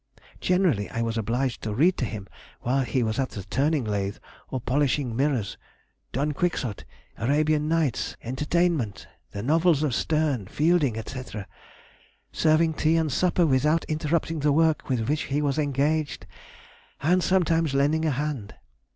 Generally I was obliged to read to him whilst he was at the turning lathe, or polishing mirrors, Don Quixote, Arabian Nights' Entertainment, the novels of Sterne, Fielding, &c. serving tea and supper without interrupting the work with which he was engaged, ... and sometimes lending a hand.